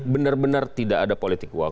bener bener tidak ada politik uang